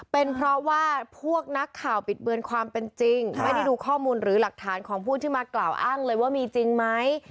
เป็นเพราะว่าพวกนักข่าวปิดเบือนความเป็นจริงไม่ได้ดูข้อมูลหรือหลักฐานของผู้ที่มากล่าวอ้างเลยว่ามีจริงไหม